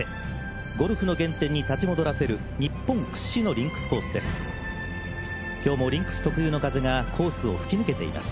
ゴルフの原点に立ち戻らせる日本屈指のリンクスコースです。